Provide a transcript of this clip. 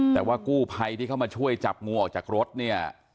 แต่ว่ากู้ภัยที่เข้ามาช่วยจับงูออกจากรถเนี่ย